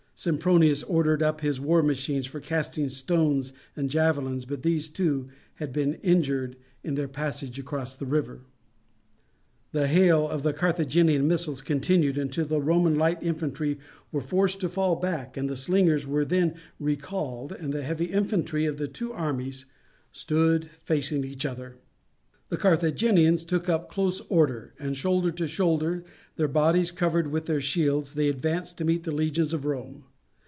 Sempronius ordered up his war machines for casting stones and javelins, but these too had been injured in their passage across the river. The hail of Carthaginian missiles continued until the Roman light infantry were forced to fall back; and the slingers were then recalled, and the heavy infantry of the two armies stood facing each other. The Carthaginians took up close order, and, shoulder to shoulder, their bodies covered with their shields, they advanced to meet the legions of Rome.